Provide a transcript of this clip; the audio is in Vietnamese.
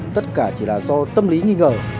tất cả chỉ là do tâm lý nghi ngờ